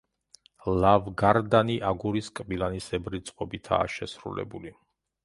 ლავგარდანი აგურის კბილანისებრი წყობითაა შესრულებული.